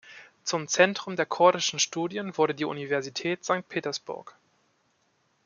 Zum Zentrum der kurdischen Studien wurde die Universität Sankt Petersburg.